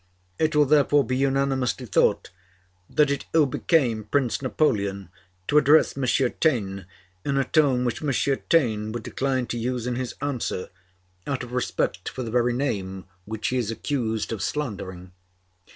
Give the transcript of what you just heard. It will therefore be unanimously thought that it ill became Prince Napoleon to address M. Taine in a tone which M. Taine would decline to use in his answer, out of respect for the very name which he is accused of slandering.